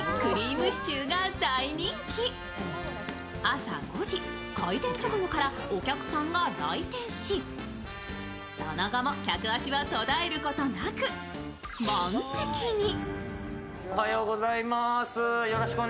朝５時開店直後からお客さんが来店しその後も客足は途絶えることなく満席に。